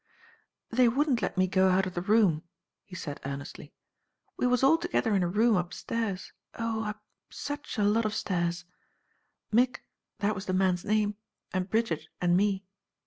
'They wouldn't let me go out of the room," he said earnestly ; we was all together in a room upstairs, oh, up such a lot of stairs; Mick, that was the man's name, and Bridget and me.